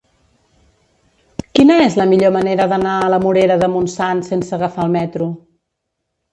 Quina és la millor manera d'anar a la Morera de Montsant sense agafar el metro?